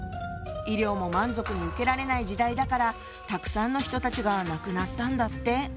医療も満足に受けられない時代だからたくさんの人たちが亡くなったんだって。